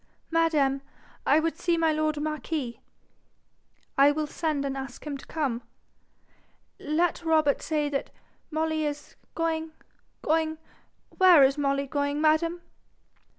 'Madam, I would see my lord marquis.' 'I will send and ask him to come.' 'Let Robert say that Molly is going going where is Molly going, madam?'